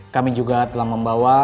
kami juga telah mencari kue berisi